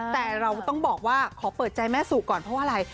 แต่เราต้องบอกว่าขอเปิดใจแม่สุก่อนเพราะว่าอะไร